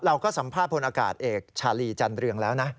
เราก็สัมภาพพลอากาศเอกชาลีจันเรืองแล้วนะ